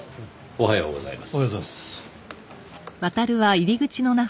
おはようございます。